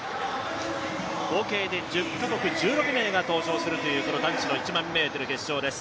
合計で１０か国１６名が登場する男子１００００ｍ決勝です。